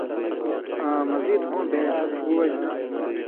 آں مزید ہوں بېں تھہ ݜُو وجہۡ نہ